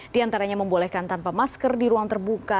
di antaranya membolehkan tanpa masker di ruang terbuka